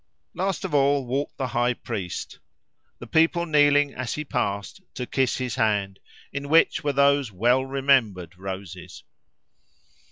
Last of all walked the high priest; the people kneeling as he passed to kiss his hand, in which were those well remembered roses.